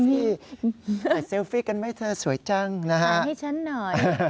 ใส่เซลฟี่กันไหมเธอสวยจังนะฮะให้ฉันหน่อย